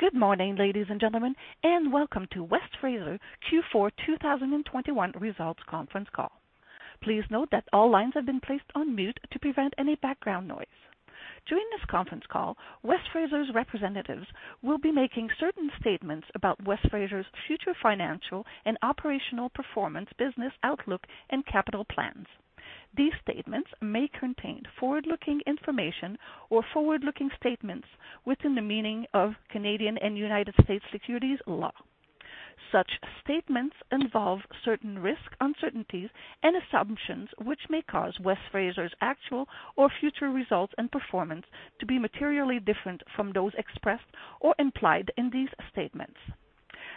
Good morning, ladies and gentlemen, and welcome to West Fraser Q4 2021 Results Conference Call. Please note that all lines have been placed on mute to prevent any background noise. During this conference call, West Fraser's representatives will be making certain statements about West Fraser's future financial and operational performance, business outlook, and capital plans. These statements may contain forward-looking information or forward-looking statements within the meaning of Canadian and United States securities law. Such statements involve certain risks, uncertainties, and assumptions which may cause West Fraser's actual or future results and performance to be materially different from those expressed or implied in these statements.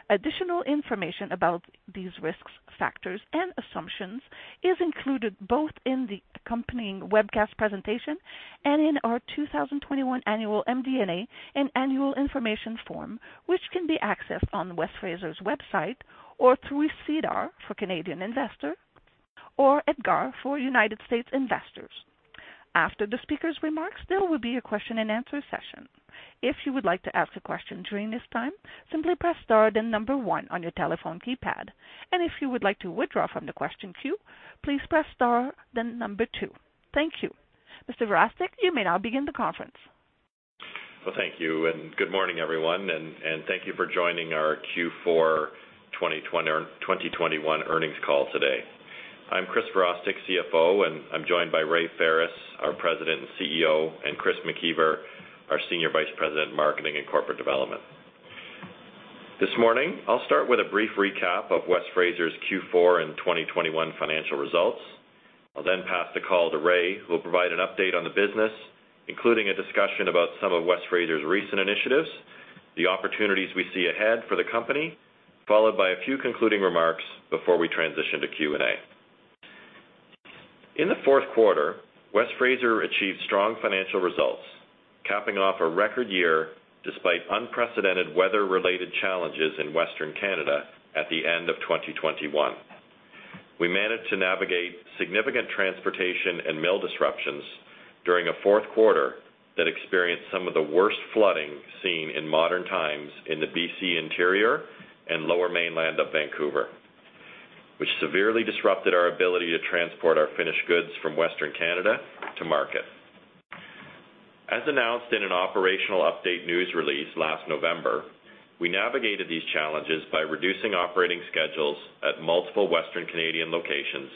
Additional information about these risks, factors, and assumptions is included both in the accompanying webcast presentation and in our 2021 annual MD&A and annual information form, which can be accessed on West Fraser's website or through SEDAR for Canadian investors or EDGAR for United States investors. After the speaker's remarks, there will be a question-and-answer session. If you would like to ask a question during this time, simply press star, then number one on your telephone keypad. If you would like to withdraw from the question queue, please press star, then number two. Thank you. Mr. Virostek, you may now begin the conference. Well, thank you, and good morning, everyone, thank you for joining our Q4 2020 or 2021 earnings call today. I'm Chris Virostek, CFO, and I'm joined by Ray Ferris, our President and CEO, and Chris McIver, our Senior Vice President, Marketing and Corporate Development. This morning, I'll start with a brief recap of West Fraser's Q4 and 2021 financial results. I'll then pass the call to Ray, who will provide an update on the business, including a discussion about some of West Fraser's recent initiatives, the opportunities we see ahead for the company, followed by a few concluding remarks before we transition to Q&A. In the fourth quarter, West Fraser achieved strong financial results, capping off a record year despite unprecedented weather-related challenges in Western Canada at the end of 2021. We managed to navigate significant transportation and mill disruptions during a fourth quarter that experienced some of the worst flooding seen in modern times in the BC interior and Lower Mainland of Vancouver, which severely disrupted our ability to transport our finished goods from Western Canada to market. As announced in an operational update news release last November, we navigated these challenges by reducing operating schedules at multiple Western Canadian locations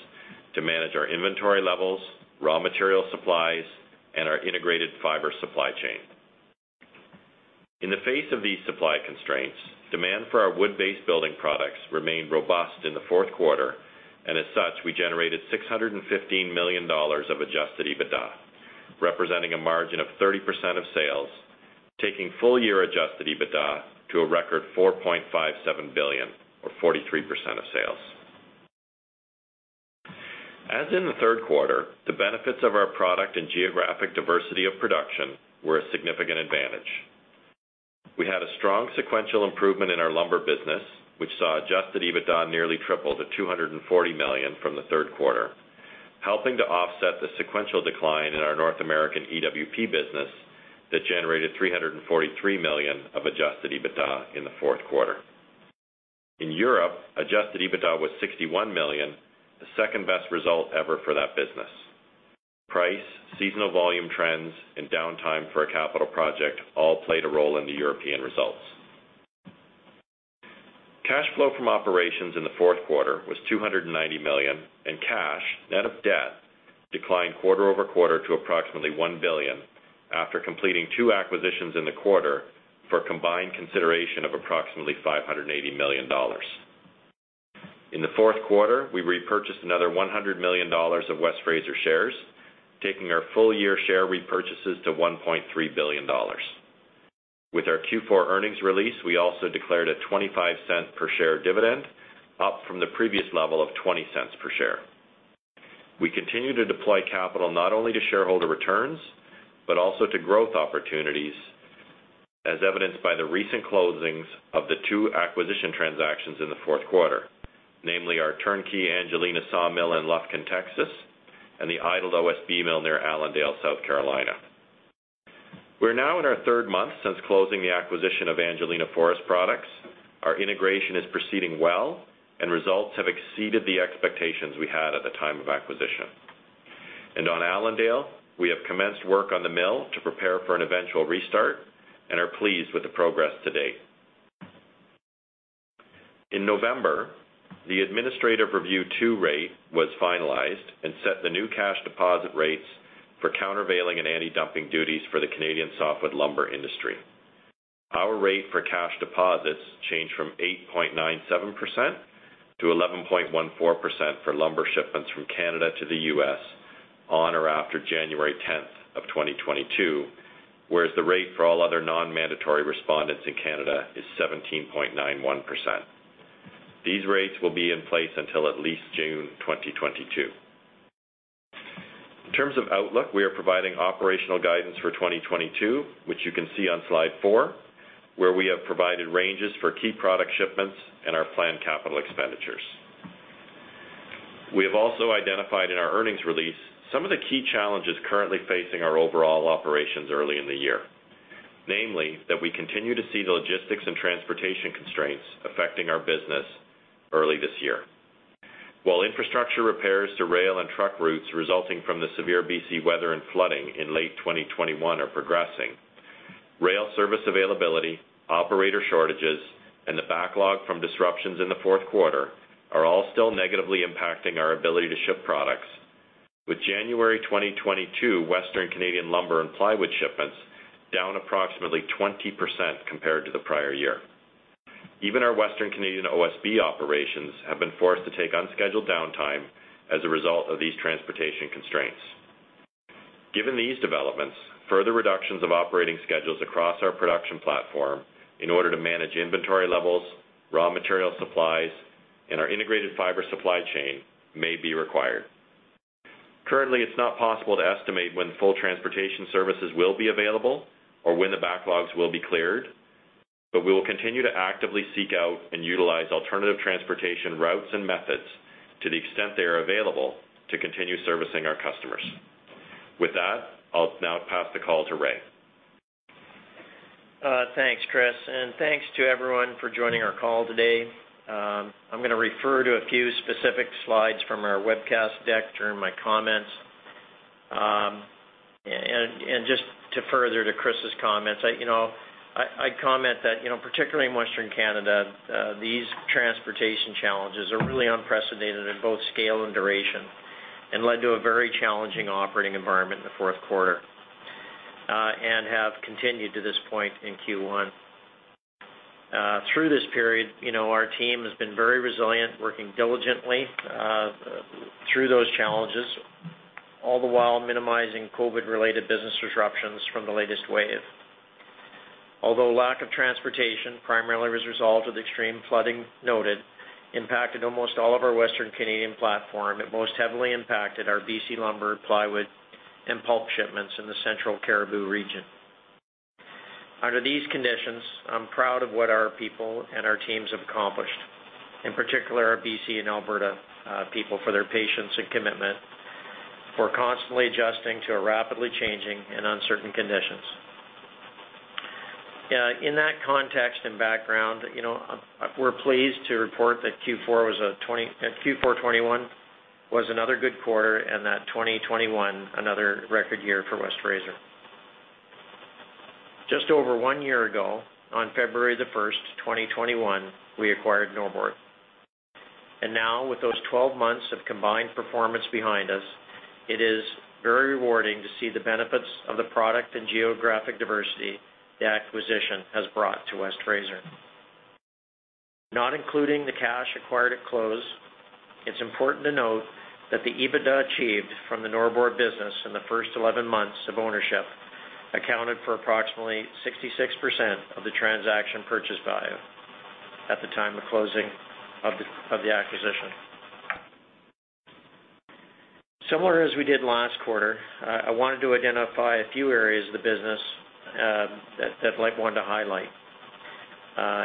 to manage our inventory levels, raw material supplies, and our integrated fiber supply chain. In the face of these supply constraints, demand for our wood-based building products remained robust in the fourth quarter, and as such, we generated $615 million of Adjusted EBITDA, representing a margin of 30% of sales, taking full-year Adjusted EBITDA to a record $4.57 billion or 43% of sales. As in the third quarter, the benefits of our product and geographic diversity of production were a significant advantage. We had a strong sequential improvement in our lumber business, which saw Adjusted EBITDA nearly triple to $240 million from the third quarter, helping to offset the sequential decline in our North American EWP business that generated $343 million of Adjusted EBITDA in the fourth quarter. In Europe, Adjusted EBITDA was $61 million, the second-best result ever for that business. Price, seasonal volume trends, and downtime for a capital project all played a role in the European results. Cash flow from operations in the fourth quarter was $290 million, and cash, net of debt, declined quarter-over-quarter to approximately $1 billion after completing two acquisitions in the quarter for a combined consideration of approximately $580 million. In the fourth quarter, we repurchased another $100 million of West Fraser shares, taking our full-year share repurchases to $1.3 billion. With our Q4 earnings release, we also declared a $0.25 per share dividend, up from the previous level of $0.20 per share. We continue to deploy capital not only to shareholder returns, but also to growth opportunities, as evidenced by the recent closings of the two acquisition transactions in the fourth quarter, namely our turnkey Angelina sawmill in Lufkin, Texas, and the idled OSB mill near Allendale, South Carolina. We're now in our third month since closing the acquisition of Angelina Forest Products. Our integration is proceeding well, and results have exceeded the expectations we had at the time of acquisition. On Allendale, we have commenced work on the mill to prepare for an eventual restart and are pleased with the progress to date. In November, the Administrative Review Two rate was finalized and set the new cash deposit rates for countervailing and anti-dumping duties for the Canadian softwood lumber industry. Our rate for cash deposits changed from 8.97% to 11.14% for lumber shipments from Canada to the U.S. on or after January tenth of 2022, whereas the rate for all other non-mandatory respondents in Canada is 17.91%. These rates will be in place until at least June 2022. In terms of outlook, we are providing operational guidance for 2022, which you can see on slide four, where we have provided ranges for key product shipments and our planned capital expenditures. We have also identified in our earnings release some of the key challenges currently facing our overall operations early in the year, namely that we continue to see the logistics and transportation constraints affecting our business early this year. While infrastructure repairs to rail and truck routes resulting from the severe BC weather and flooding in late 2021 are progressing, rail service availability, operator shortages, and the backlog from disruptions in the fourth quarter are all still negatively impacting our ability to ship products, with January 2022 Western Canadian lumber and plywood shipments down approximately 20% compared to the prior year. Even our Western Canadian OSB operations have been forced to take unscheduled downtime as a result of these transportation constraints. Given these developments, further reductions of operating schedules across our production platform in order to manage inventory levels, raw material supplies, and our integrated fiber supply chain may be required. Currently, it's not possible to estimate when full transportation services will be available or when the backlogs will be cleared, but we will continue to actively seek out and utilize alternative transportation routes and methods to the extent they are available to continue servicing our customers. With that, I'll now pass the call to Ray. Thanks, Chris, and thanks to everyone for joining our call today. I'm gonna refer to a few specific slides from our webcast deck during my comments. Just to further Chris's comments, you know, I comment that, you know, particularly in Western Canada, these transportation challenges are really unprecedented in both scale and duration and led to a very challenging operating environment in the fourth quarter, and have continued to this point in Q1. Through this period, you know, our team has been very resilient, working diligently through those challenges, all the while minimizing COVID-related business disruptions from the latest wave. Although lack of transportation primarily was a result of the extreme flooding that impacted almost all of our Western Canadian platform, it most heavily impacted our BC lumber, plywood, and pulp shipments in the Central Cariboo region. Under these conditions, I'm proud of what our people and our teams have accomplished, in particular our BC and Alberta people for their patience and commitment for constantly adjusting to rapidly changing and uncertain conditions. In that context and background, you know, we're pleased to report that Q4 2021 was another good quarter and that 2021, another record year for West Fraser. Just over one year ago, on February 1, 2021, we acquired Norbord. Now with those 12 months of combined performance behind us, it is very rewarding to see the benefits of the product and geographic diversity the acquisition has brought to West Fraser. Not including the cash acquired at close, it's important to note that the EBITDA achieved from the Norbord business in the first 11 months of ownership accounted for approximately 66% of the transaction purchase value at the time of closing of the acquisition. Similar as we did last quarter, I wanted to identify a few areas of the business that I wanted to highlight.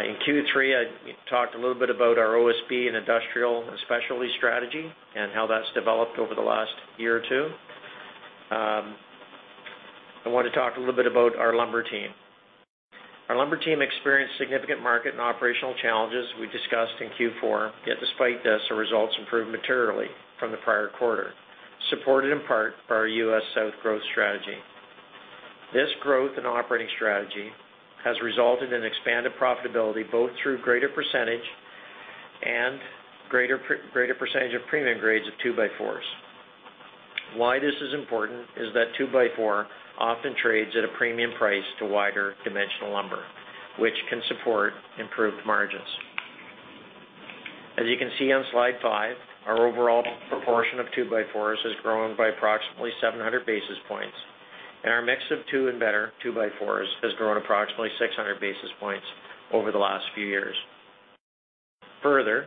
In Q3, I talked a little bit about our OSB and industrial specialty strategy and how that's developed over the last year or two. I want to talk a little bit about our lumber team. Our lumber team experienced significant market and operational challenges we discussed in Q4, yet despite this, our results improved materially from the prior quarter, supported in part by our U.S. South growth strategy. This growth and operating strategy has resulted in expanded profitability, both through greater percentage of premium grades of two-by-fours. Why this is important is that two-by-four often trades at a premium price to wider dimensional lumber, which can support improved margins. As you can see on slide five, our overall proportion of two-by-fours has grown by approximately 700 basis points, and our mix of two and better two-by-fours has grown approximately 600 basis points over the last few years. Further,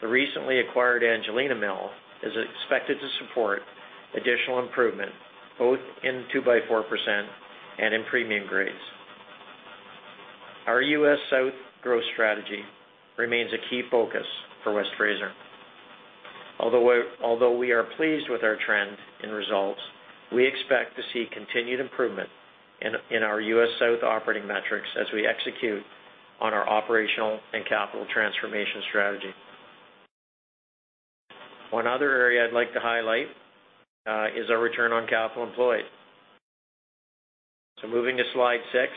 the recently acquired Angelina Mill is expected to support additional improvement, both in two-by-four percent and in premium grades. Our U.S. South growth strategy remains a key focus for West Fraser. Although we are pleased with our trend and results, we expect to see continued improvement in our U.S. South operating metrics as we execute on our operational and capital transformation strategy. One other area I'd like to highlight is our return on capital employed. Moving to slide 6.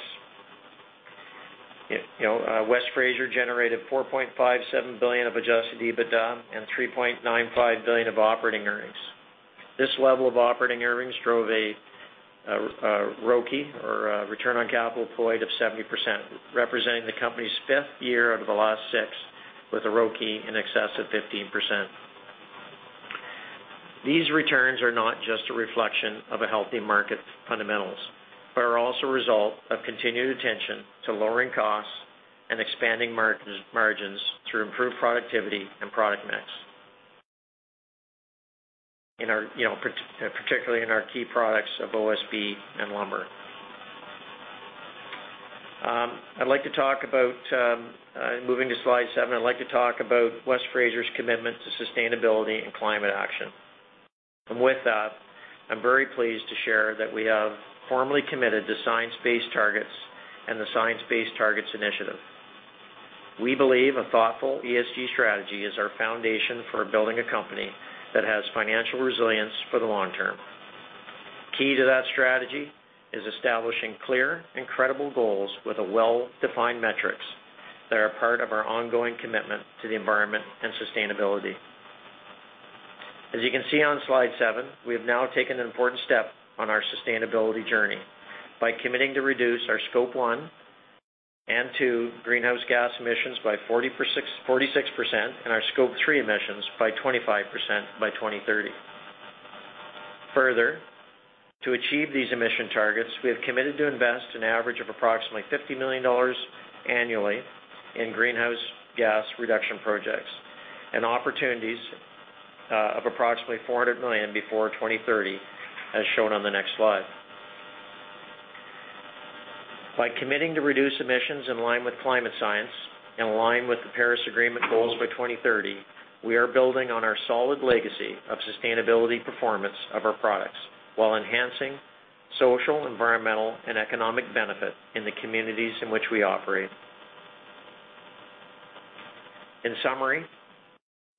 You know, West Fraser generated 4.57 billion of Adjusted EBITDA and 3.95 billion of operating earnings. This level of operating earnings drove a ROCE or a return on capital employed of 70%, representing the company's fifth year out of the last 6 with a ROCE in excess of 15%. These returns are not just a reflection of a healthy market fundamentals, but are also a result of continued attention to lowering costs and expanding margins through improved productivity and product mix in our, you know, particularly in our key products of OSB and lumber. I'd like to talk about moving to slide seven. I'd like to talk about West Fraser's commitment to sustainability and climate action. With that, I'm very pleased to share that we have formally committed to Science-Based Targets and the Science Based Targets initiative. We believe a thoughtful ESG strategy is our foundation for building a company that has financial resilience for the long term. Key to that strategy is establishing clear and credible goals with a well-defined metrics that are part of our ongoing commitment to the environment and sustainability. As you can see on slide seven, we have now taken an important step on our sustainability journey by committing to reduce our Scope One and Two greenhouse gas emissions by 46% and our Scope Three emissions by 25% by 2030. Further, to achieve these emission targets, we have committed to invest an average of approximately $50 million annually in greenhouse gas reduction projects and opportunities, of approximately $400 million before 2030, as shown on the next slide. By committing to reduce emissions in line with climate science, in line with the Paris Agreement goals by 2030, we are building on our solid legacy of sustainability performance of our products while enhancing social, environmental, and economic benefit in the communities in which we operate. In summary,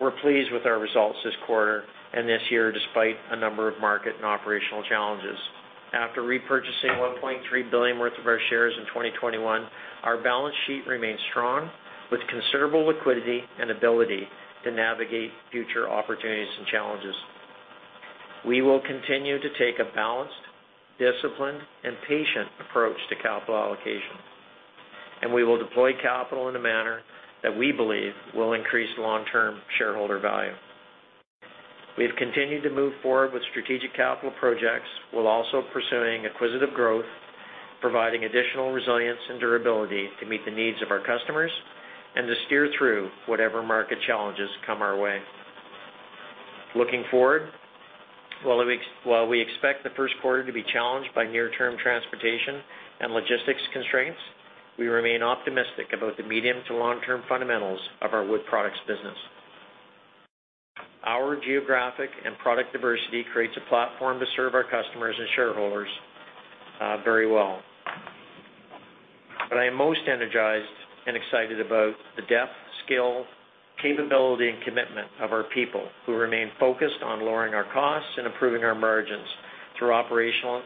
we're pleased with our results this quarter and this year despite a number of market and operational challenges. After repurchasing 1.3 billion worth of our shares in 2021, our balance sheet remains strong with considerable liquidity and ability to navigate future opportunities and challenges. We will continue to take a balanced, disciplined, and patient approach to capital allocation, and we will deploy capital in a manner that we believe will increase long-term shareholder value. We have continued to move forward with strategic capital projects while also pursuing acquisitive growth, providing additional resilience and durability to meet the needs of our customers and to steer through whatever market challenges come our way. Looking forward, while we expect the first quarter to be challenged by near-term transportation and logistics constraints, we remain optimistic about the medium to long-term fundamentals of our wood products business. Our geographic and product diversity creates a platform to serve our customers and shareholders very well. I am most energized and excited about the depth, skill, capability, and commitment of our people who remain focused on lowering our costs and improving our margins through operational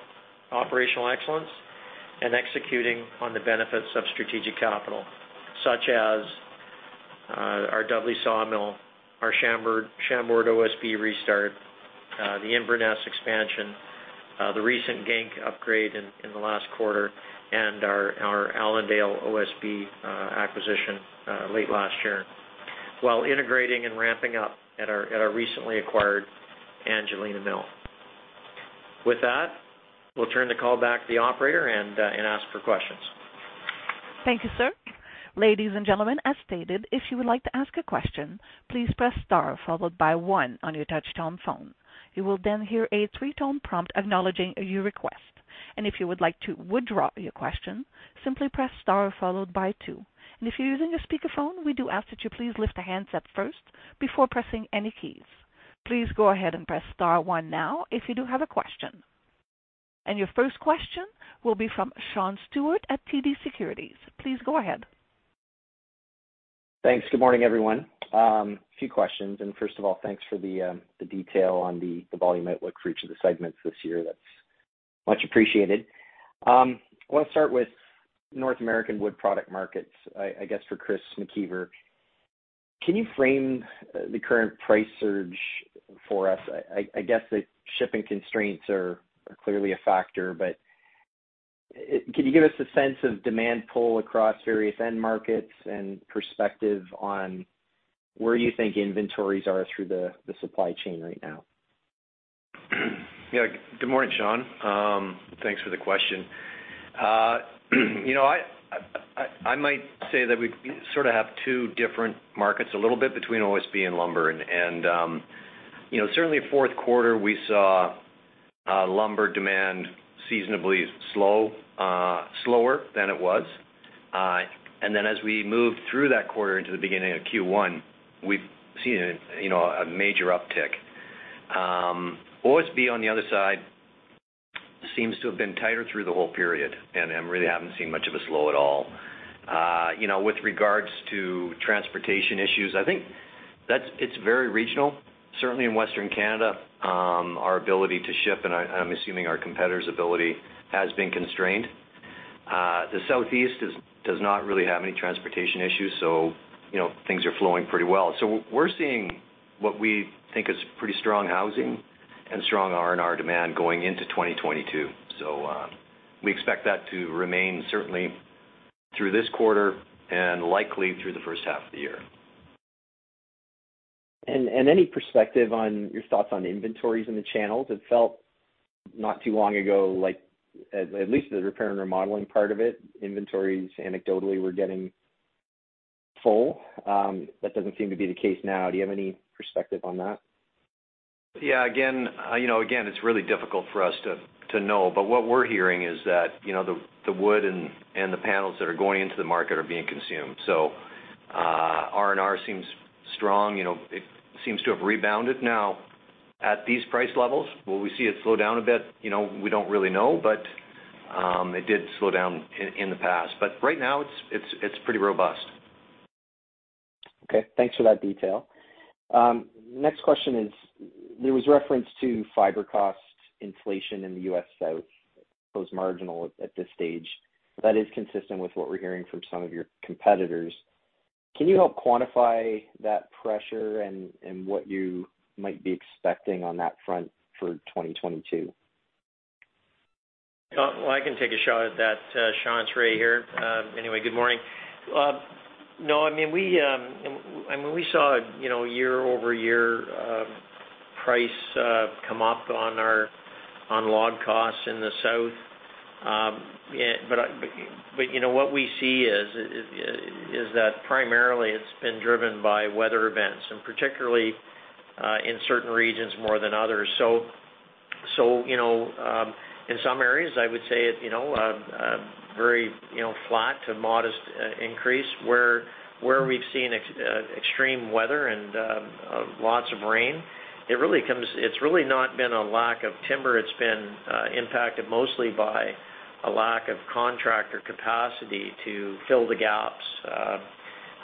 excellence and executing on the benefits of strategic capital, such as our Dudley sawmill, our Chambord OSB restart, the Inverness expansion, the recent Genk upgrade in the last quarter, and our Allendale OSB acquisition late last year, while integrating and ramping up at our recently acquired Angelina Mill. With that, we'll turn the call back to the operator and ask for questions. Thank you, sir. Ladies and gentlemen, as stated, if you would like to ask a question, please press star followed by one on your touchtone phone. You will then hear a three-tone prompt acknowledging your request. If you would like to withdraw your question, simply press star followed by two. If you're using a speakerphone, we do ask that you please lift the handset first before pressing any keys. Please go ahead and press star 1 now if you do have a question. Your first question will be from Sean Steuart at TD Securities. Please go ahead. Thanks. Good morning, everyone. A few questions. First of all, thanks for the detail on the volume outlook for each of the segments this year. That's much appreciated. I want to start with North American wood product markets, I guess, for Christopher McIver. Can you frame the current price surge for us? I guess the shipping constraints are clearly a factor, but can you give us a sense of demand pull across various end markets and perspective on where you think inventories are through the supply chain right now? Good morning, Sean. Thanks for the question. You know, I might say that we sort of have two different markets, a little bit between OSB and lumber. You know, certainly fourth quarter, we saw lumber demand seasonally slow, slower than it was. Then as we moved through that quarter into the beginning of Q1, we've seen you know, a major uptick. OSB on the other side seems to have been tighter through the whole period, and we really haven't seen much of a slow at all. You know, with regards to transportation issues, I think that's it very regional. Certainly in Western Canada, our ability to ship, and I'm assuming our competitors' ability, has been constrained. The Southeast is, does not really have any transportation issues, so, you know, things are flowing pretty well. We're seeing what we think is pretty strong housing and strong R&R demand going into 2022. We expect that to remain certainly through this quarter and likely through the first half of the year. Any perspective on your thoughts on inventories in the channels? It felt not too long ago like at least the repair and remodeling part of it, inventories anecdotally were getting full. That doesn't seem to be the case now. Do you have any perspective on that? Yeah, again, you know, it's really difficult for us to know, but what we're hearing is that, you know, the wood and the panels that are going into the market are being consumed. R&R seems strong. You know, it seems to have rebounded. Now, at these price levels, will we see it slow down a bit? You know, we don't really know, but it did slow down in the past. Right now it's pretty robust. Okay. Thanks for that detail. Next question is, there was reference to fiber cost inflation in the U.S. South, post-merger all at this stage. That is consistent with what we're hearing from some of your competitors. Can you help quantify that pressure and what you might be expecting on that front for 2022? Well, I can take a shot at that. Sean, it's Ray here. Anyway, good morning. No, I mean, we saw, you know, year-over-year price come up on our log costs in the South. But you know, what we see is that primarily it's been driven by weather events, and particularly in certain regions more than others. So you know, in some areas, I would say, you know, very, you know, flat to modest increase. Where we've seen extreme weather and lots of rain, it's really not been a lack of timber. It's been impacted mostly by a lack of contractor capacity to fill the gaps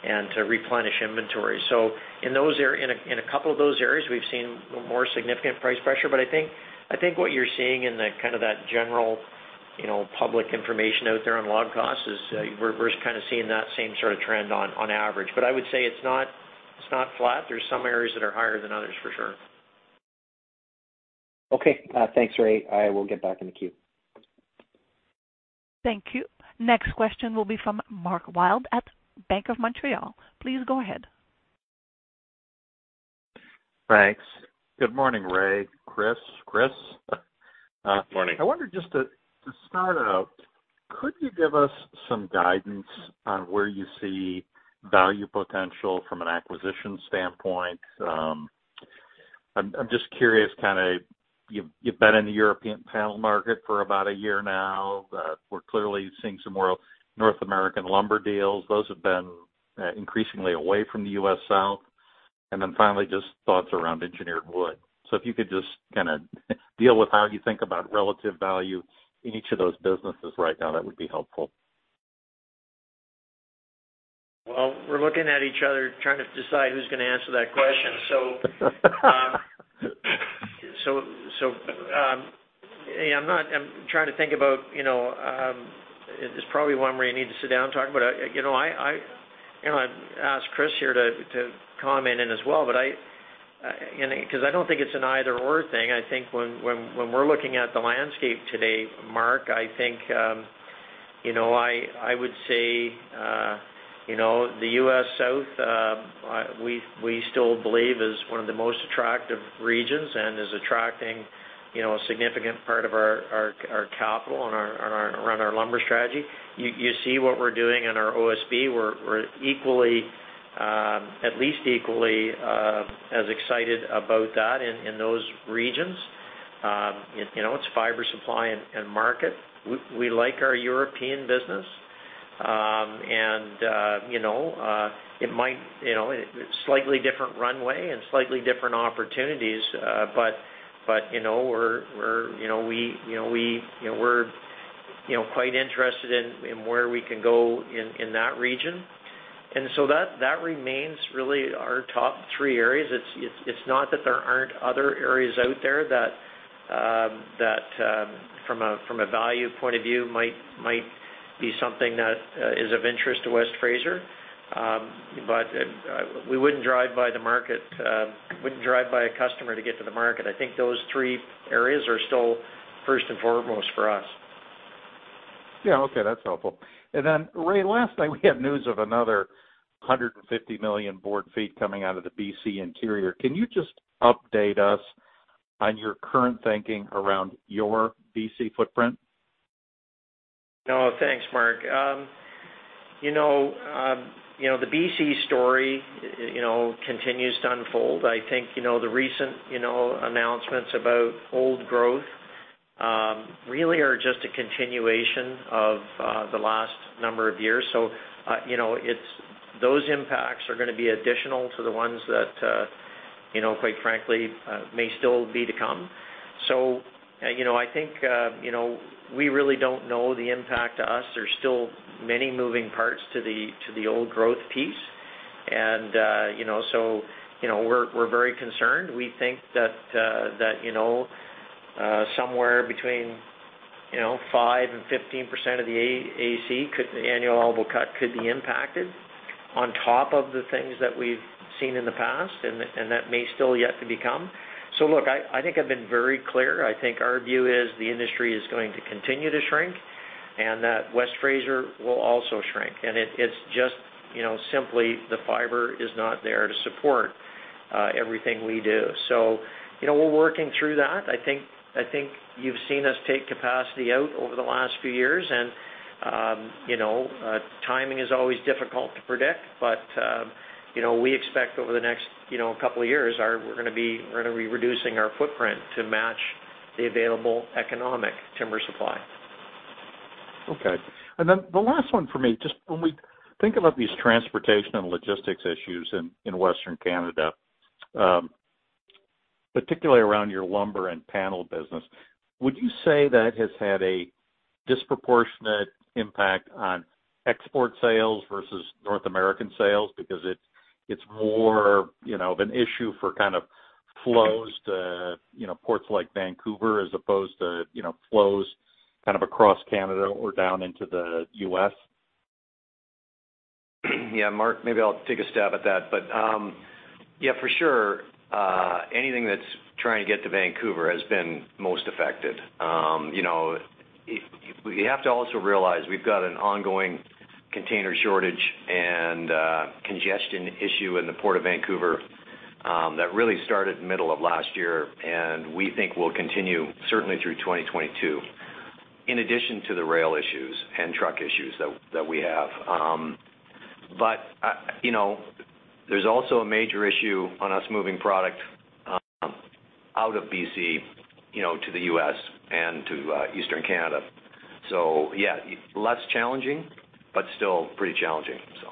and to replenish inventory. In a couple of those areas, we've seen more significant price pressure. I think what you're seeing in that kind of general, you know, public information out there on log costs is we're kind of seeing that same sort of trend on average. I would say it's not flat. There's some areas that are higher than others, for sure. Okay. Thanks, Ray. I will get back in the queue. Thank you. Next question will be from Mark Wilde at BMO Capital Markets. Please go ahead. Thanks. Good morning, Ray, Chris. Good morning. I wonder just to start out, could you give us some guidance on where you see value potential from an acquisition standpoint? I'm just curious, kind of you've been in the European panel market for about a year now. We're clearly seeing some more North American lumber deals. Those have been increasingly away from the U.S. South. Finally, just thoughts around engineered wood. If you could just kind of deal with how you think about relative value in each of those businesses right now, that would be helpful. We're looking at each other trying to decide who's gonna answer that question. Yeah, I'm trying to think about, you know, it's probably one where you need to sit down and talk about. You know, I'd ask Chris here to comment in as well, but you know, 'cause I don't think it's an either/or thing. I think when we're looking at the landscape today, Mark, I think, you know, I would say, you know, the U.S. South, we still believe is one of the most attractive regions and is attracting, you know, a significant part of our capital and our around our lumber strategy. You see what we're doing in our OSB. We're at least equally as excited about that in those regions. You know, it's fiber supply and market. We like our European business. You know, it might slightly different runway and slightly different opportunities, but you know, we're quite interested in where we can go in that region. That remains really our top three areas. It's not that there aren't other areas out there that from a value point of view might be something that is of interest to West Fraser. We wouldn't drive by the market, wouldn't drive by a customer to get to the market. I think those three areas are still first and foremost for us. Yeah. Okay. That's helpful. Ray, lastly, we have news of another 150 million board feet coming out of the BC interior. Can you just update us on your current thinking around your BC footprint? No. Thanks, Mark. You know, the BC story, you know, continues to unfold. I think, you know, the recent, you know, announcements about old-growth really are just a continuation of the last number of years. You know, it's those impacts are gonna be additional to the ones that you know, quite frankly, may still be to come. You know, I think you know, we really don't know the impact to us. There's still many moving parts to the old-growth piece. You know, we're very concerned. We think that that you know somewhere between you know 5%-15% of the Annual Allowable Cut could be impacted on top of the things that we've seen in the past and that may still yet to become. Look, I think I've been very clear. I think our view is the industry is going to continue to shrink, and that West Fraser will also shrink. It's just you know simply the fiber is not there to support everything we do. You know, we're working through that. I think you've seen us take capacity out over the last few years and, you know, timing is always difficult to predict, but, you know, we expect over the next, you know, couple of years we're gonna be reducing our footprint to match the available economic timber supply. Okay. The last one for me, just when we think about these transportation and logistics issues in Western Canada, particularly around your lumber and panel business, would you say that has had a disproportionate impact on export sales versus North American sales because it's more, you know, of an issue for kind of flows to, you know, ports like Vancouver as opposed to, you know, flows kind of across Canada or down into the U.S.? Yeah, Mark, maybe I'll take a stab at that. Yeah, for sure, anything that's trying to get to Vancouver has been most affected. You know, you have to also realize we've got an ongoing container shortage and congestion issue in the port of Vancouver that really started middle of last year, and we think will continue certainly through 2022, in addition to the rail issues and truck issues that we have. You know, there's also a major issue with us moving product out of B.C., you know, to the U.S. and to eastern Canada. Yeah, less challenging, but still pretty challenging, so.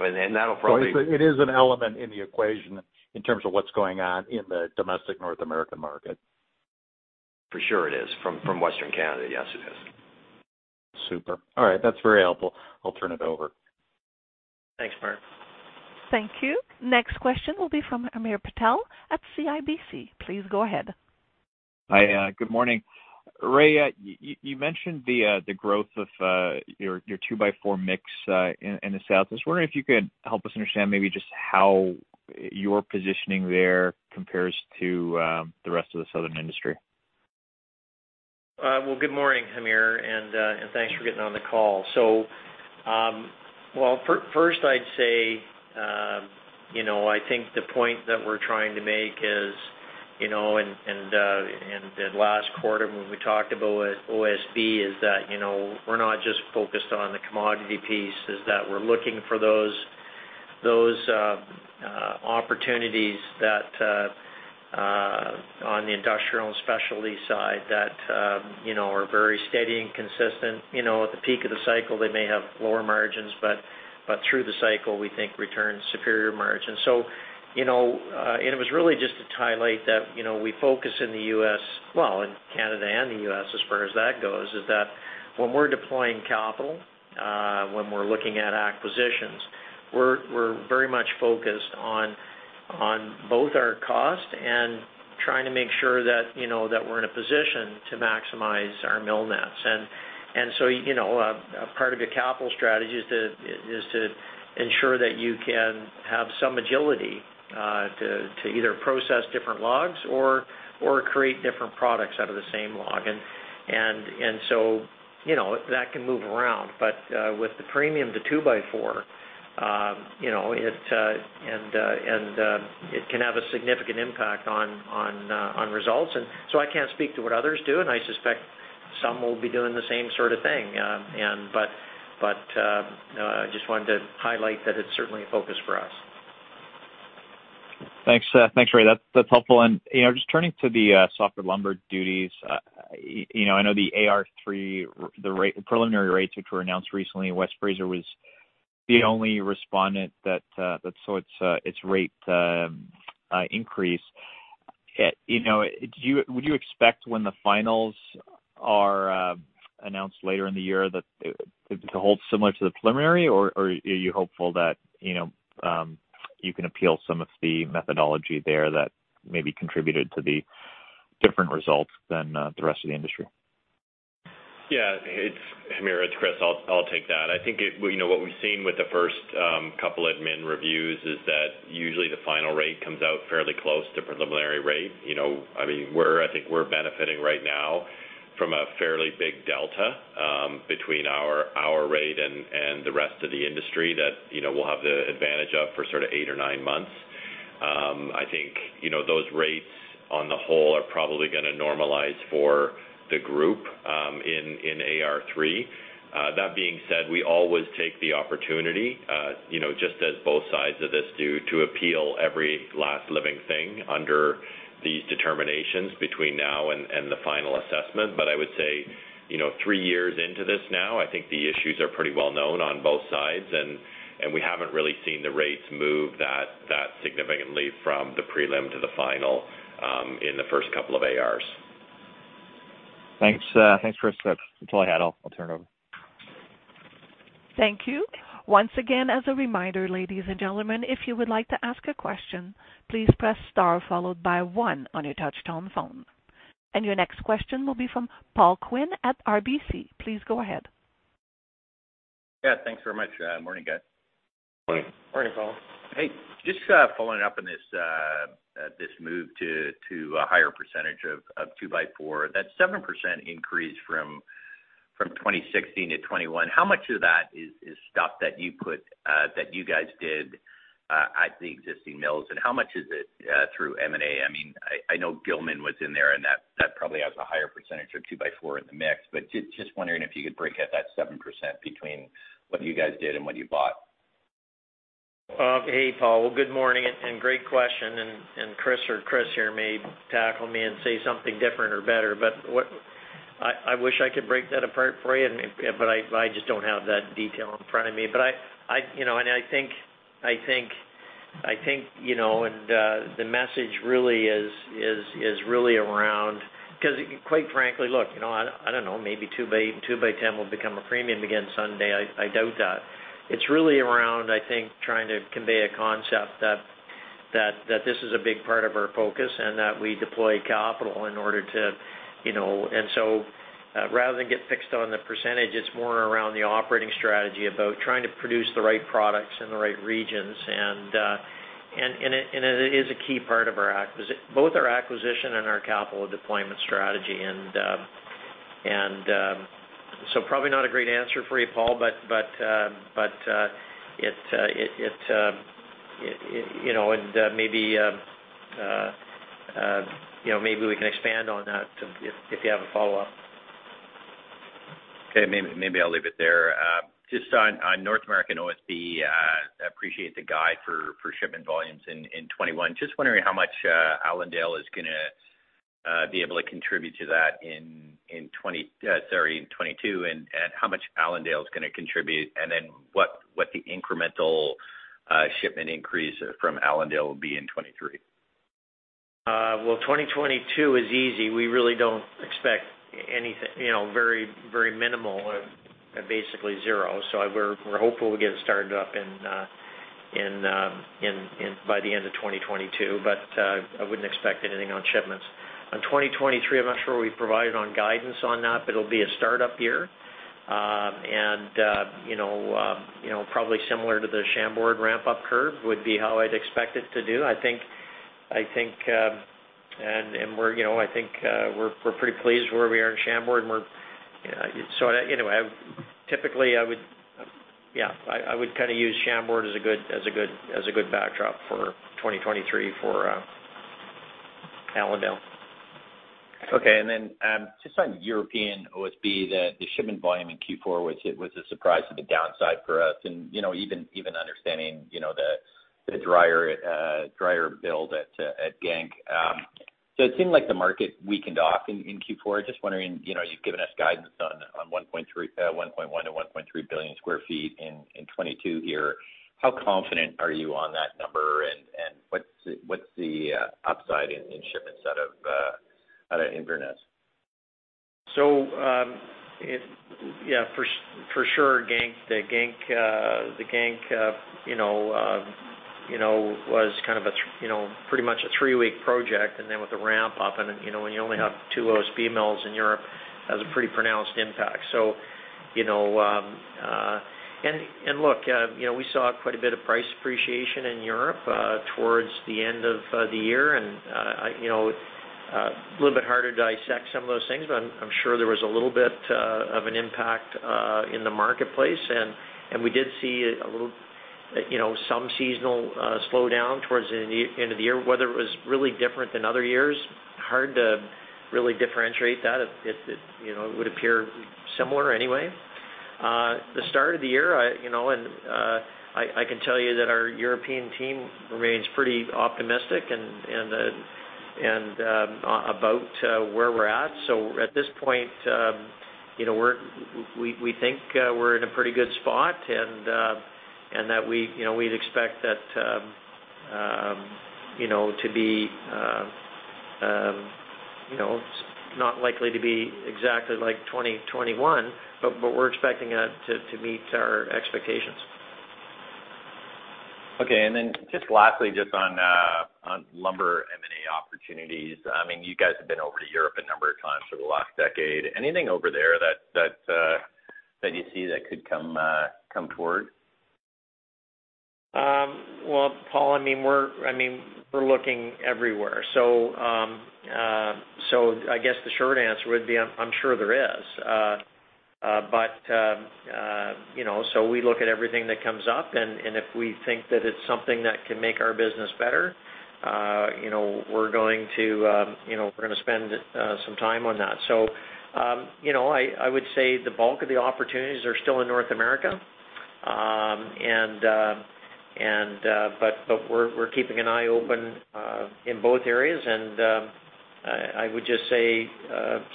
Then that'll probably It is an element in the equation in terms of what's going on in the domestic North American market. For sure it is. From Western Canada, yes, it is. Super. All right. That's very helpful. I'll turn it over. Thanks, Mark. Thank you. Next question will be from Hamir Patel at CIBC. Please go ahead. Hi. Good morning. Ray, you mentioned the growth of your two-by-four mix in the South. I was wondering if you could help us understand maybe just how your positioning there compares to the rest of the Southern industry. Good morning, Hamir, and thanks for getting on the call. First I'd say, you know, I think the point that we're trying to make is, you know, and the last quarter when we talked about OSB is that, you know, we're not just focused on the commodity piece, that we're looking for those opportunities that on the industrial and specialty side that, you know, are very steady and consistent. You know, at the peak of the cycle, they may have lower margins, but through the cycle, we think returns superior margins. You know, it was really just to highlight that, you know, we focus in the U.S., well, in Canada and the U.S. as far as that goes, is that when we're deploying capital, when we're looking at acquisitions, we're very much focused on both our cost and trying to make sure that, you know, that we're in a position to maximize our mill nets. A part of your capital strategy is to ensure that you can have some agility to either process different logs or create different products out of the same log. You know, that can move around. With the premium to two by four, you know, it can have a significant impact on results. I can't speak to what others do, and I suspect some will be doing the same sort of thing. Just wanted to highlight that it's certainly a focus for us. Thanks. Thanks, Ray. That's helpful. You know, just turning to the softwood lumber duties, you know, I know the AR3, preliminary rates, which were announced recently, West Fraser was the only respondent that saw its rate increase. You know, would you expect when the finals are announced later in the year that it to hold similar to the preliminary, or are you hopeful that, you know, you can appeal some of the methodology there that maybe contributed to the different results than the rest of the industry? Yeah. It's Hamir. It's Chris. I'll take that. I think you know what we've seen with the first couple admin reviews is that usually the final rate comes out fairly close to preliminary rate. You know, I mean, I think we're benefiting right now from a fairly big delta between our rate and the rest of the industry that, you know, we'll have the advantage of for sort of 8 or 9 months. I think you know, those rates on the whole are probably gonna normalize for the group in AR3. That being said, we always take the opportunity, you know, just as both sides of this do, to appeal every last living thing under these determinations between now and the final assessment. I would say, you know, three years into this now, I think the issues are pretty well known on both sides and we haven't really seen the rates move that significantly from the prelim to the final, in the first couple of ARs. Thanks. Thanks, Chris. That's all I had. I'll turn it over. Thank you. Once again, as a reminder, ladies and gentlemen, if you would like to ask a question, please press star followed by one on your touchtone phone. Your next question will be from Paul Quinn at RBC. Please go ahead. Yeah, thanks very much. Morning, guys. Morning. Morning, Paul. Hey, just following up on this, To a higher percentage of two by four That 7% increase from 2016 to 2021, how much of that is stuff that you guys did at the existing mills, and how much is it through M&A? I mean, I know Gilman was in there, and that probably has a higher percentage of two by four in the mix. But just wondering if you could break out that 7% between what you guys did and what you bought. Hey, Paul. Well, good morning and great question. Chris or Chris here may tackle me and say something different or better. I wish I could break that apart for you, but I just don't have that detail in front of me. You know, I think the message really is around, 'cause quite frankly, look, you know, I don't know, maybe two by ten will become a premium again someday. I doubt that. It's really around, I think, trying to convey a concept that this is a big part of our focus and that we deploy capital in order to, you know. Rather than get fixed on the percentage, it's more around the operating strategy about trying to produce the right products in the right regions. It is a key part of both our acquisition and our capital deployment strategy. Probably not a great answer for you, Paul, but you know, maybe we can expand on that if you have a follow-up. Maybe I'll leave it there. Just on North American OSB, I appreciate the guide for shipment volumes in 2021. Just wondering how much Allendale is gonna be able to contribute to that in 2022, and how much Allendale is gonna contribute, and then what the incremental shipment increase from Allendale will be in 2023. Well, 2022 is easy. We really don't expect anything you know, very, very minimal or basically zero. We're hopeful we'll get it started up in by the end of 2022, but I wouldn't expect anything on shipments. On 2023, I'm not sure we've provided on guidance on that, but it'll be a start-up year. You know, probably similar to the Chambord ramp-up curve would be how I'd expect it to do. I think and we're you know. I think we're pretty pleased where we are in Chambord, and we're you know. You know, typically I would I would kinda use Chambord as a good backdrop for 2023 for Allendale. Okay. Just on European OSB, the shipment volume in Q4, which it was a surprise to the downside for us. You know, even understanding, you know, the dryer build at Genk. It seemed like the market weakened off in Q4. Just wondering, you know, you've given us guidance on 1.1-1.3 billion sq ft in 2022 here. How confident are you on that number, and what's the upside in shipments out of Inverness? Yeah. For sure, Genk was kind of a you know, pretty much a three-week project. With the ramp up and, you know, when you only have two OSB mills in Europe, has a pretty pronounced impact. Look, you know, we saw quite a bit of price appreciation in Europe towards the end of the year. It's a little bit harder to dissect some of those things, but I'm sure there was a little bit of an impact in the marketplace. We did see a little, you know, some seasonal slowdown towards the end of the year. Weather was really different than other years. Hard to really differentiate that. It, you know, would appear similar anyway. The start of the year, you know, and about where we're at. At this point, you know, we think we're in a pretty good spot and that we, you know, we'd expect that, you know, to be, you know, not likely to be exactly like 2021, but we're expecting to meet our expectations. Okay. Just lastly, just on lumber M&A opportunities. I mean, you guys have been over to Europe a number of times over the last decade. Anything over there that you see that could come forward? Well, Paul, I mean, we're looking everywhere. I guess the short answer would be, I'm sure there is. But you know, we look at everything that comes up, and if we think that it's something that can make our business better, you know, we're going to spend some time on that. You know, I would say the bulk of the opportunities are still in North America. But we're keeping an eye open in both areas. I would just say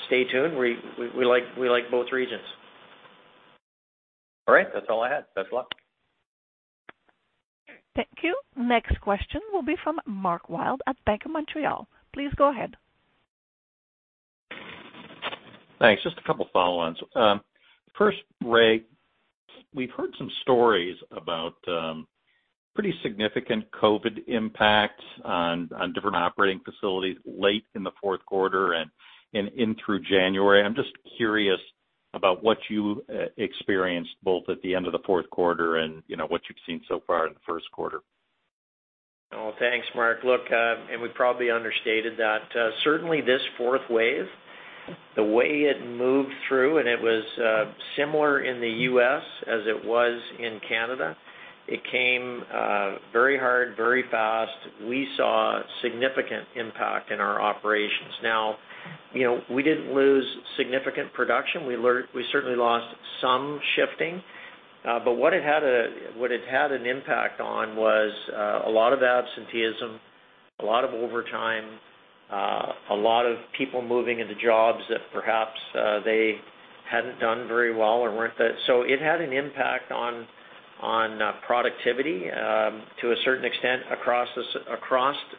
stay tuned. We like both regions. All right. That's all I had. Best of luck. Thank you. Next question will be from Mark Wilde at BMO Capital Markets. Please go ahead. Thanks. Just a couple follow-ons. First, Ray, we've heard some stories about pretty significant COVID impacts on different operating facilities late in the fourth quarter and in through January. I'm just curious about what you experienced both at the end of the fourth quarter and, you know, what you've seen so far in the first quarter. Well, thanks, Mark. Look, we probably understated that. Certainly this fourth wave, the way it moved through, it was similar in the U.S. as it was in Canada, it came very hard, very fast. We saw significant impact in our operations. Now, you know, we didn't lose significant production. We certainly lost some shifts. But what it had an impact on was a lot of absenteeism, a lot of overtime, a lot of people moving into jobs that perhaps they hadn't done very well. So it had an impact on productivity to a certain extent, across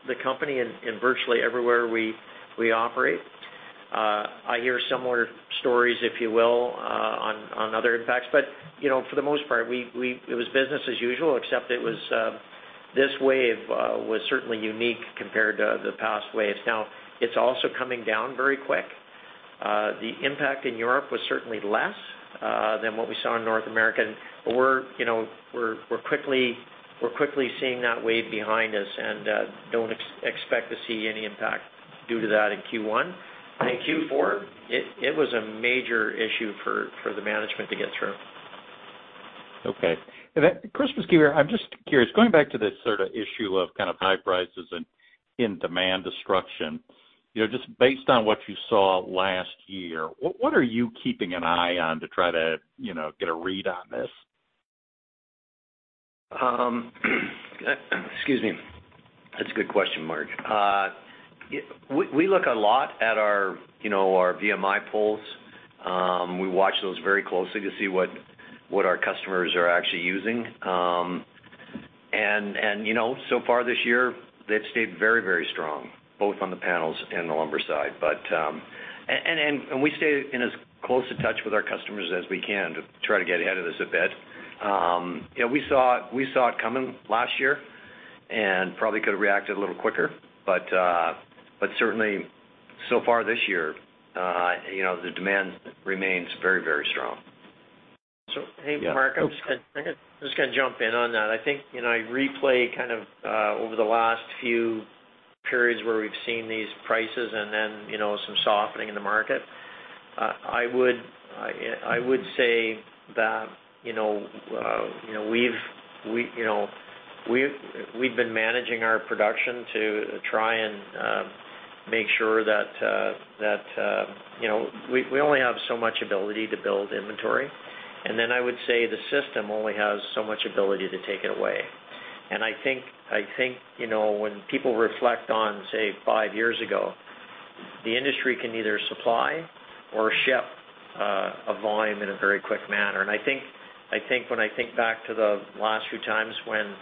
the company in virtually everywhere we operate. I hear similar stories, if you will, on other impacts. You know, for the most part, it was business as usual, except it was this wave was certainly unique compared to the past waves. Now, it's also coming down very quick. The impact in Europe was certainly less than what we saw in North America. You know, we're quickly seeing that wave behind us, and don't expect to see any impact due to that in Q1. In Q4, it was a major issue for the management to get through. Christopher McIver, I'm just curious, going back to this sorta issue of kind of high prices and demand destruction, you know, just based on what you saw last year, what are you keeping an eye on to try to, you know, get a read on this? Excuse me. That's a good question, Mark. We look a lot at our, you know, our VMI polls. We watch those very closely to see what our customers are actually using. We stay in as close a touch with our customers as we can to try to get ahead of this a bit. You know, we saw it coming last year and probably could've reacted a little quicker. Certainly, so far this year, you know, the demand remains very, very strong. Hey, Mark. Yeah. I'm just gonna jump in on that. I think, you know, I replay kind of over the last few periods where we've seen these prices and then, you know, some softening in the market. I would say that, you know, you know, we've been managing our production to try and make sure that we only have so much ability to build inventory. I would say the system only has so much ability to take it away. I think, you know, when people reflect on, say, five years ago, the industry can either supply or ship a volume in a very quick manner. I think when I think back to the last few times when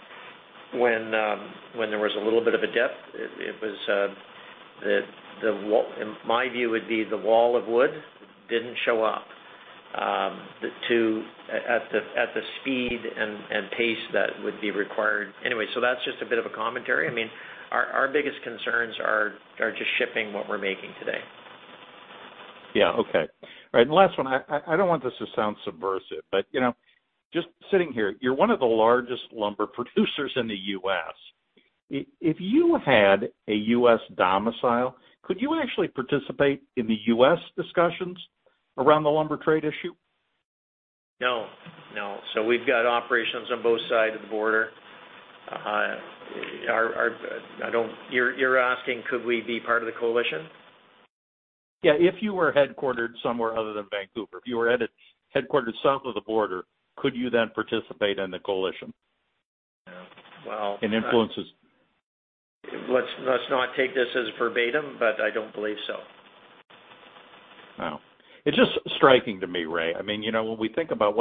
there was a little bit of a dip, it was, in my view, the wall of wood didn't show up at the speed and pace that would be required. Anyway, that's just a bit of a commentary. I mean, our biggest concerns are just shipping what we're making today. Yeah. Okay. All right, last one. I don't want this to sound subversive, but, you know, just sitting here, you're one of the largest lumber producers in the U.S. If you had a U.S. domicile, could you actually participate in the U.S. discussions around the lumber trade issue? No. We've got operations on both sides of the border. You're asking could we be part of the coalition? Yeah. If you were headquartered somewhere other than Vancouver, if you were headquartered south of the border, could you then participate in the coalition? Yeah. Well. Influence it. Let's not take this as verbatim, but I don't believe so. Wow. It's just striking to me, Ray. I mean, you know, when we think about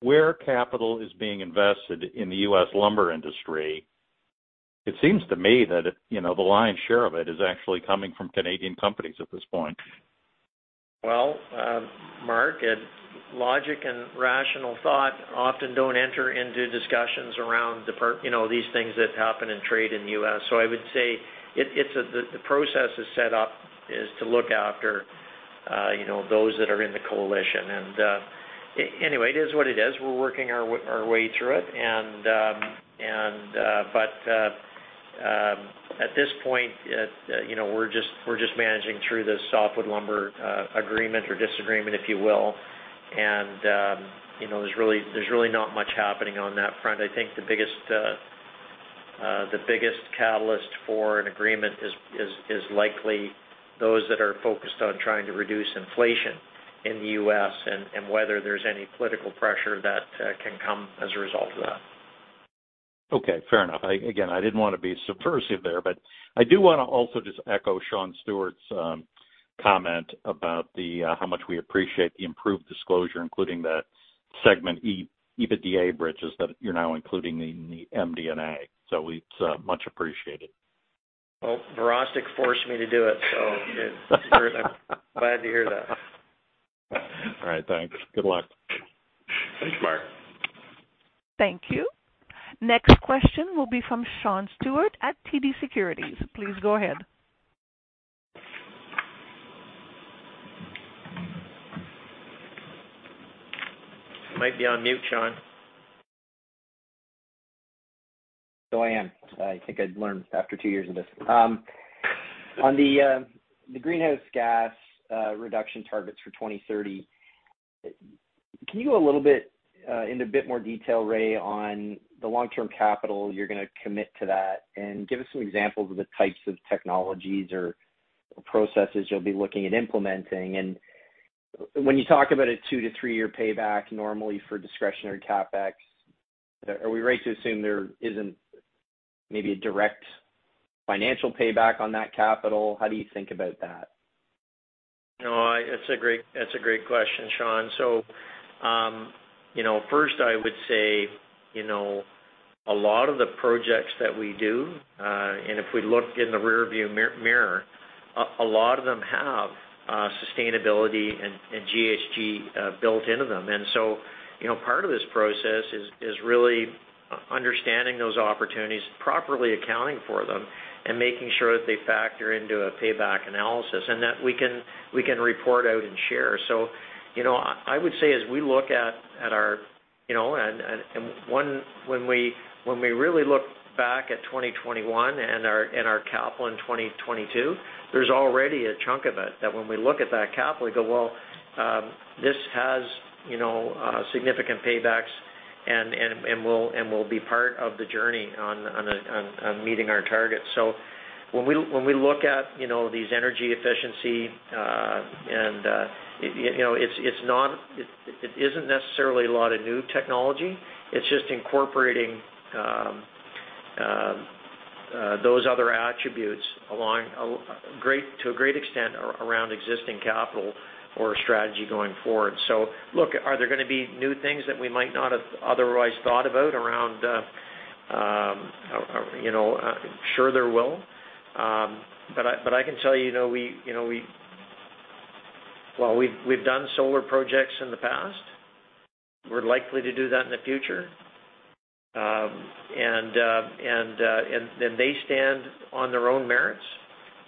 where capital is being invested in the U.S. lumber industry, it seems to me that it, you know, the lion's share of it is actually coming from Canadian companies at this point. Well, Mark, logic and rational thought often don't enter into discussions around you know, these things that happen in trade in the U.S. I would say it's the process is set up to look after you know, those that are in the coalition. Anyway, it is what it is. We're working our way through it. At this point you know, we're just managing through the softwood lumber agreement or disagreement, if you will. You know, there's really not much happening on that front. I think the biggest catalyst for an agreement is likely those that are focused on trying to reduce inflation in the U.S. and whether there's any political pressure that can come as a result of that. Okay. Fair enough. Again, I didn't wanna be subversive there, but I do wanna also just echo Sean Steuart's comment about how much we appreciate the improved disclosure, including the segment EBITDA bridges that you're now including in the MD&A. It's much appreciated. Well, Virostek forced me to do it. I'm glad to hear that. All right. Thanks. Good luck. Thanks, Mark. Thank you. Next question will be from Sean Steuart at TD Securities. Please go ahead. You might be on mute, Sean. I think I've learned after two years of this. On the greenhouse gas reduction targets for 2030, can you go a little bit into a bit more detail, Ray, on the long-term capital you're gonna commit to that? Give us some examples of the types of technologies or processes you'll be looking at implementing. When you talk about a two-three-year payback normally for discretionary CapEx, are we right to assume there isn't maybe a direct financial payback on that capital? How do you think about that? No. It's a great question, Sean. You know, first I would say, you know, a lot of the projects that we do, and if we look in the rearview mirror, a lot of them have sustainability and GHG built into them. You know, part of this process is really understanding those opportunities, properly accounting for them, and making sure that they factor into a payback analysis, and that we can report out and share. You know, I would say, as we look at our. You know, when we really look back at 2021 and our capital in 2022, there's already a chunk of it that when we look at that capital, we go, "Well, this has, you know, significant paybacks and will be part of the journey on meeting our targets." When we look at, you know, these energy efficiency and you know, it's not. It isn't necessarily a lot of new technology. It's just incorporating those other attributes to a great extent around existing capital or strategy going forward. Look, are there gonna be new things that we might not have otherwise thought about around, you know, sure there will. I can tell you know, well, we've done solar projects in the past. We're likely to do that in the future. Then they stand on their own merits.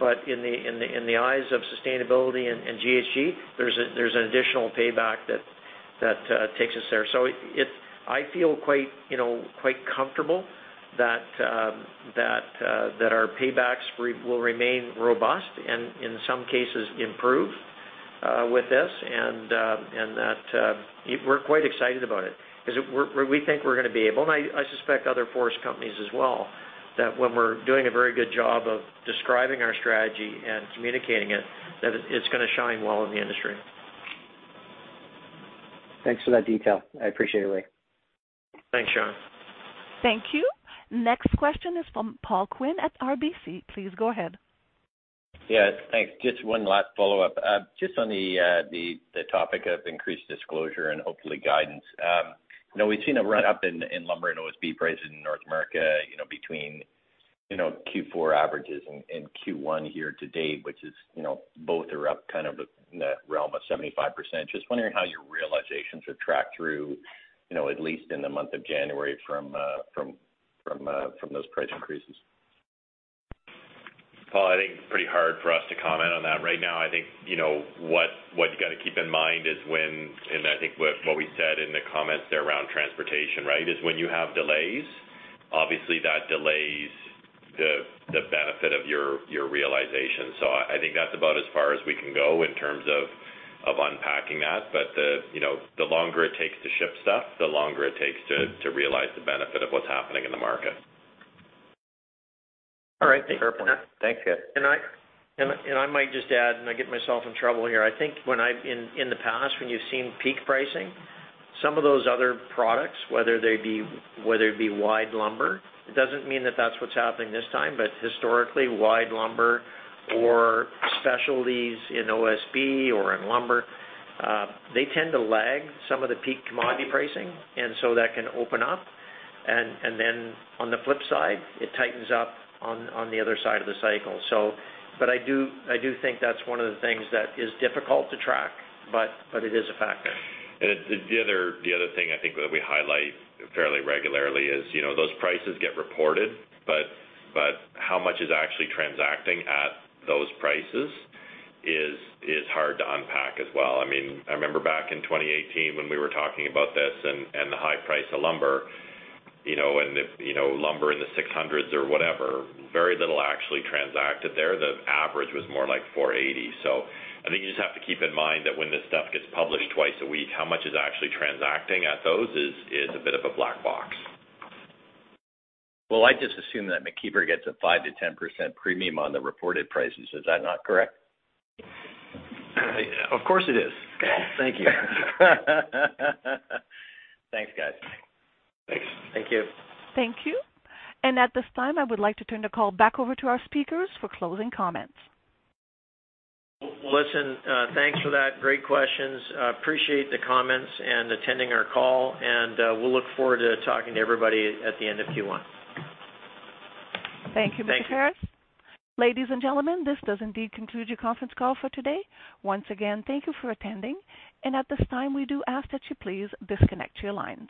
In the eyes of sustainability and GHG, there's an additional payback that takes us there. I feel quite, you know, comfortable that our paybacks will remain robust and in some cases improve with this and that we're quite excited about it 'cause we think we're gonna be able, and I suspect other forest companies as well, that when we're doing a very good job of describing our strategy and communicating it, that it's gonna shine well in the industry. Thanks for that detail. I appreciate it, Ray. Thanks, Sean. Thank you. Next question is from Paul Quinn at RBC. Please go ahead. Yeah, thanks. Just one last follow-up. Just on the topic of increased disclosure and hopefully guidance. You know, we've seen a run up in lumber and OSB prices in North America, you know, between Q4 averages and Q1 here to date, which is, you know, both are up kind of in the realm of 75%. Just wondering how your realizations have tracked through, you know, at least in the month of January from those price increases. Paul, I think it's pretty hard for us to comment on that right now. I think, you know, what you gotta keep in mind is what we said in the comments there around transportation, right? When you have delays, obviously that delays the benefit of your realization. I think that's about as far as we can go in terms of unpacking that. You know, the longer it takes to ship stuff, the longer it takes to realize the benefit of what's happening in the market. All right. Fair point. Thanks, guys. I might just add. I get myself in trouble here. I think in the past, when you've seen peak pricing, some of those other products, whether it be wide lumber, it doesn't mean that that's what's happening this time. Historically, wide lumber or specialties in OSB or in lumber, they tend to lag some of the peak commodity pricing, and so that can open up. Then on the flip side, it tightens up on the other side of the cycle. But I do think that's one of the things that is difficult to track, but it is a factor. The other thing I think that we highlight fairly regularly is, you know, those prices get reported, but how much is actually transacting at those prices is hard to unpack as well. I mean, I remember back in 2018 when we were talking about this and the high price of lumber, you know, and you know, lumber in the $600s or whatever, very little actually transacted there. The average was more like $480. I think you just have to keep in mind that when this stuff gets published twice a week, how much is actually transacting at those is a bit of a black box. Well, I just assume that McIver gets a 5%-10% premium on the reported prices. Is that not correct? Of course it is. Thank you. Thanks, guys. Thanks. Thank you. Thank you. At this time, I would like to turn the call back over to our speakers for closing comments. Listen, thanks for that. Great questions. Appreciate the comments and attending our call, and we'll look forward to talking to everybody at the end of Q1. Thank you, Mr. Ferris. Thank you. Ladies and gentlemen, this does indeed conclude your conference call for today. Once again, thank you for attending, and at this time, we do ask that you please disconnect your lines.